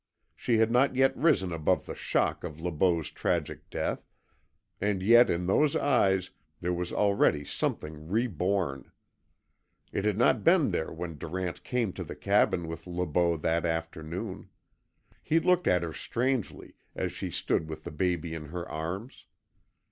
She had not yet risen above the shock of Le Beau's tragic death, and yet in those eyes there was already something re born. It had not been there when Durant came to the cabin with Le Beau that afternoon. He looked at her strangely as she stood with the baby in her arms.